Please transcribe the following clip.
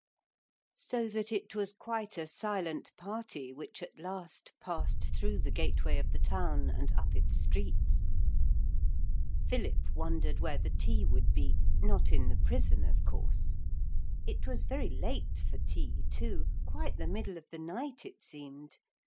So that it was quite a silent party which at last passed through the gateway of the town and up its streets. Philip wondered where the tea would be not in the prison of course. It was very late for tea, too, quite the middle of the night it seemed.